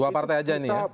dua partai aja nih ya